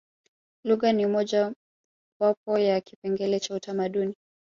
lugha ni moja wapo ya kipengele cha utamaduni